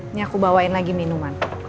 ini aku bawain lagi minuman